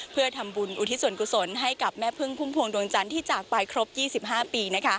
เพื่อทำบุญอุทิศส่วนกุศลให้กับแม่พึ่งพุ่มพวงดวงจันทร์ที่จากไปครบ๒๕ปี